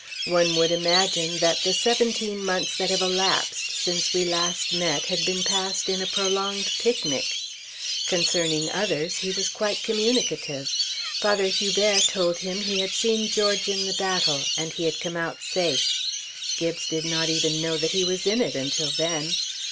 One would imagine that the seventeen months that have elapsed since we last met had been passed in a prolonged picnic. Concerning others, he was quite communicative. Father Hubert told him he had seen George in the battle, and he had come out safe. Gibbes did not even know that he was in it, until then.